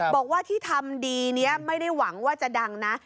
บอกว่าที่ทำดีนี้ไม่ได้หวังว่าจะดังนะ